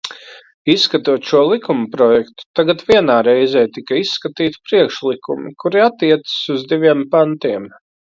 Izskatot šo likumprojektu, tagad vienā reizē tika izskatīti priekšlikumi, kuri attiecas uz diviem pantiem.